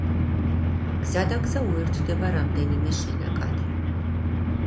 გზადაგზა უერთდება რამდენიმე შენაკადი.